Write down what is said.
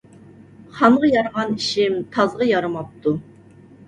خانغا يارىغان ئېشىم تازغا يارىماپتۇ.